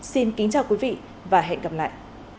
xin kính chào quý vị và hẹn gặp lại